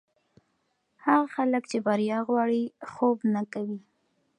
هغه خلک چې بریا غواړي، خوب نه کوي.